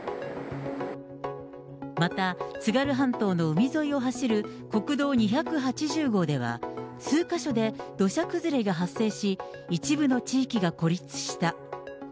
また、津軽半島の海沿いを走る国道２８０号では、数か所で土砂崩れが発生し、一部の地域が孤立した。